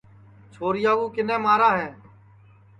چھوریا کِنے مارے ہے